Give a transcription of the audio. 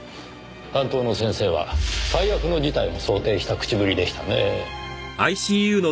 担当の先生は最悪の事態も想定した口ぶりでしたねぇ。